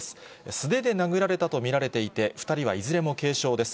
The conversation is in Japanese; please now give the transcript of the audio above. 素手で殴られたと見られていて、２人はいずれも軽傷です。